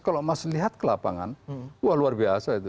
kalau mas lihat ke lapangan wah luar biasa itu